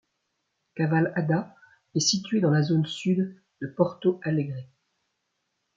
Cavalhada est situé dans la zone Sud de Porto Alegre.